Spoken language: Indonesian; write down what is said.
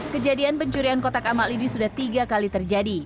kejadian pencurian kotak amal ini sudah tiga kali terjadi